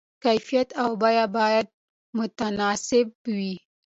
کیفیت او بیه باید متناسب وي.